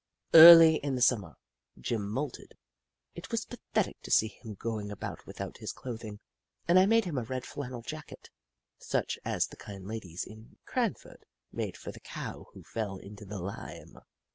Early in the Summer, Jim moulted. It was pathetic to see him going about without his clothing, and I made him a red flannel jacket, such as the kind ladies in Cranford made for the Cow who fell into the lime.